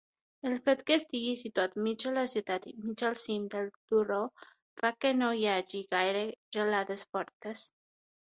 El fet que estigui situat mig a la ciutat, mig al cim del turó fa que no hi hagi gaire gelades fortes.